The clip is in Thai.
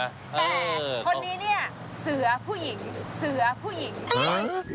แต่คนนี้เสือผู้หญิงห์